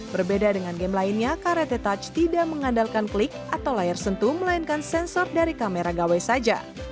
berbeda dengan game lainnya karate touch tidak mengandalkan klik atau layar sentuh melainkan sensor dari kamera gawai saja